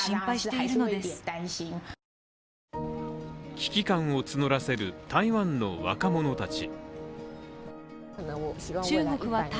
危機感を募らせる台湾の若者たち。